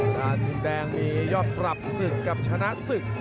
ด้านดินแดงมียอดตรับศึกกับชนะศึก